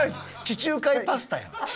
地中海パスタやん。